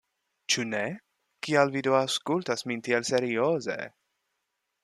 Ĉu ne? Kial Vi do aŭskultas min tiel serioze!